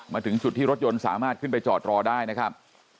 มาถึงจุดที่รถยนต์สามารถขึ้นไปจอดรอได้นะครับ